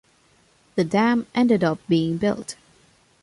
The dam ended up being built.